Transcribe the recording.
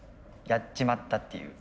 やっちまったっていう。